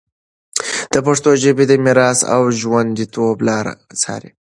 د پښتو ژبي د میراث او ژونديتوب لاره څارله